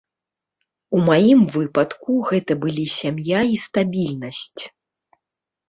У маім выпадку гэта былі сям'я і стабільнасць.